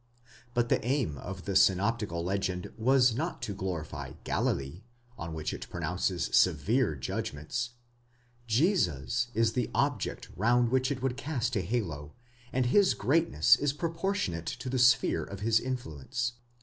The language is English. But the aim of the synoptical legend was not to glorify Galilee, on which it pronounces severe judgments ;—Jesus is the object round which it would cast a halo, and his greatness is proportionate to the sphere of his influence.